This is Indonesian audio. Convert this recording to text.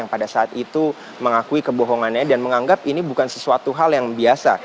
pada saat itu mengakui kebohongannya dan menganggap ini bukan sesuatu hal yang biasa